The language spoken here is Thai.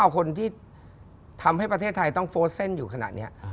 คนที่ทำให้ประเทศไทยต้องโฟสเซ่นอยู่ขนาดนี้